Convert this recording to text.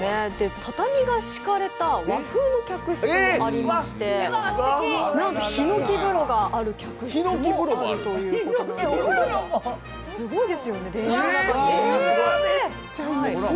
畳が敷かれた和風の客室もありまして、なんとなんと、ひのき風呂がある客室もあるということなんですよ。